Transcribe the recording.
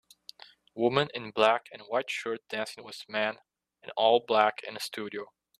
Woman in black and white shirt dancing with man in all black in a studio.